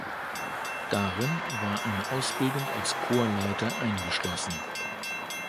Darin war eine Ausbildung als Chorleiter eingeschlossen.